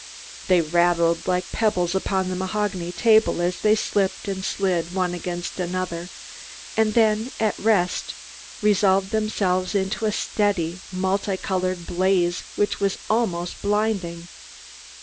They rattled like pebbles upon the mahogany table as they slipped and slid one against another, and then, at rest, resolved themselves into a steady, multi colored blaze which was almost blinding.